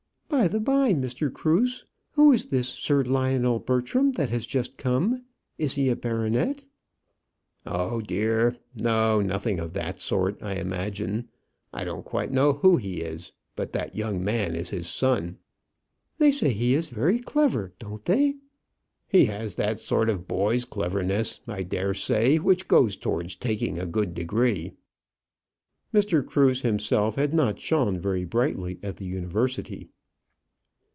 By the by, Mr. Cruse, who is this Sir Lionel Bertram that has just come? Is he a baronet?" "Oh dear, no; nothing of that sort, I imagine. I don't quite know who he is; but that young man is his son." "They say he's very clever, don't they?" "He has that sort of boy's cleverness, I dare say, which goes towards taking a good degree." Mr. Cruse himself had not shone very brightly at the University.